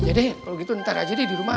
iya deh kalo gitu ntar aja deh di rumah